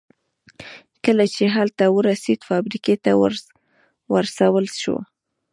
کله چې هلته ورسېد فابریکې ته ورسول شو